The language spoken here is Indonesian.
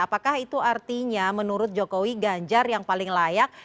apakah itu artinya menurut jokowi ganjar yang paling layak